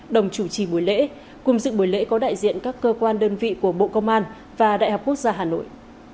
đồng chủ trì buổi lễ cùng dự buổi lễ có đại diện các cơ quan đơn vị của bộ công an và đại học quốc gia hà nội